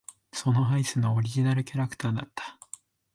そのアイスのオリジナルのキャラクターだった。